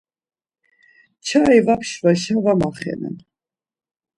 Çai va pşvatşa va maxenenan.